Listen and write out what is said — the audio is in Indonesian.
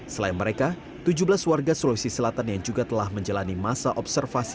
selain mereka tujuh belas warga sulawesi selatan yang juga telah menjalani masa observasi